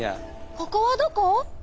ここはどこ？